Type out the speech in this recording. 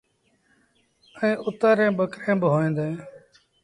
ائيٚݩ اُتر ريٚݩ ٻڪريݩ با هوئين ديٚݩ۔